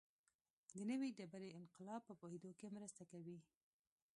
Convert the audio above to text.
د نوې ډبرې انقلاب په پوهېدو کې مرسته کوي